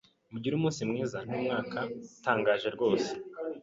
Mugire umunsi mwiza n'umwaka utangaje rwose